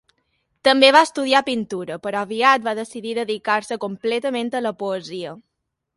També va estudiar pintura, però aviat va decidir dedicar-se completament a la poesia.